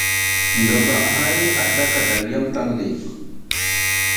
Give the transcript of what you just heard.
Ngaba hay a zlaka dalyam tang le.